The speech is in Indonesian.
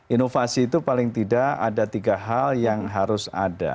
inovasi itu paling tidak ada tiga hal yang harus ada